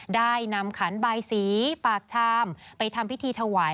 ได้นำขันบายสีปากชามไปทำพิธีถวาย